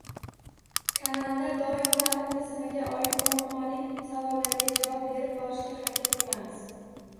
Kanalda doim ta’lim tizimiga oid muammoli savollarga javob berib borishga harakat qilamiz.